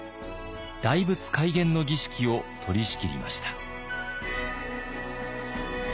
大仏開眼の儀式を取りしきりました。